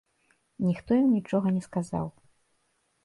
Ніхто ім нічога не сказаў.